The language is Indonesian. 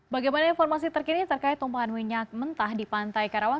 bagaimana informasi terkini terkait tumpahan minyak mentah di pantai karawang